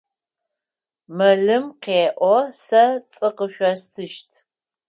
Мэлым къеӏо: Сэ цы къышъостыщт.